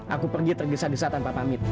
aku pergi tergesa gesa tanpa pamit